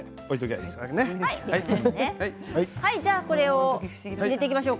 これを入れていきましょう。